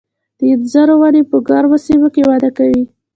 د انځرو ونې په ګرمو سیمو کې وده کوي.